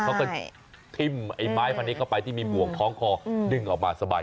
เขาก็ทิ้มไอ้ไม้พันนี้เข้าไปที่มีบ่วงท้องคอดึงออกมาสบาย